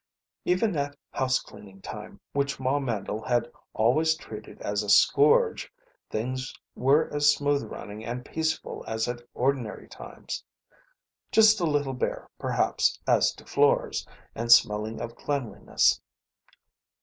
Even at house cleaning time, which Ma Mandle had always treated as a scourge, things were as smooth running and peaceful as at ordinary times. Just a little bare, perhaps, as to floors, and smelling of cleanliness.